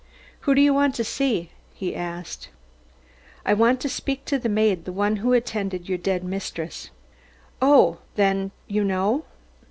"Who do you want to see?" he asked. "I want to speak to the maid, the one who attended your dead mistress." "Oh, then you know